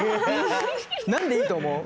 何でいいと思う？